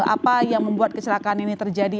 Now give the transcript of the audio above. apa yang membuat kecelakaan ini terjadi